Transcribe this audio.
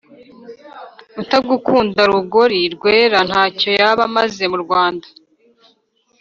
Utagukunda Rugori rweraNtacyo yaba amaze mu Rwanda